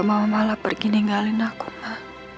kamu malah pergi ninggalin aku mak